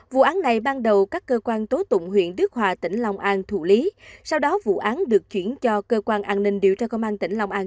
vụ án này ban đầu các cơ quan tố tụng huyện đức hòa tỉnh long an thụ lý sau đó vụ án được chuyển cho cơ quan an ninh điều tra công an tỉnh long an